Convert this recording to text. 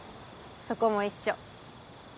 そこも一緒。